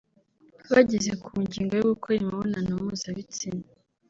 Bageze ku ngingo yo gukora imibonano mpuzabitsina